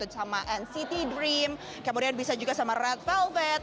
sama nct dream kemudian bisa juga sama red velvet